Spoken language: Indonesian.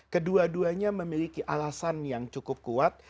kedua duanya memiliki alasan yang cukup kuat